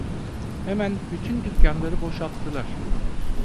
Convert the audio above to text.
Hemen bütün dükkanları boşalttılar.